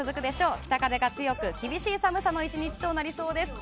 北風が強く厳しい寒さの１日となりそうです。